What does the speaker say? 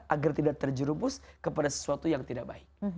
agar tidak terjerumus kepada sesuatu yang tidak baik